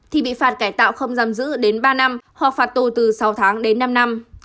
thì bị phạt cải tạo không giam giữ đến ba năm